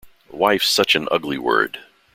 Wife's such an ugly word.